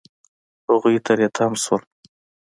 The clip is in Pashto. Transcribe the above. هغوی تری تم شول.